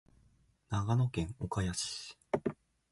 長野県岡谷市